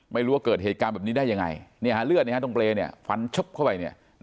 ไม่รู้ว่าเกิดเหตุการณ์แบบนี้ได้ยังไงเนี่ยเลือดธงเบลย์เนี่ยฟันชบเข้าไป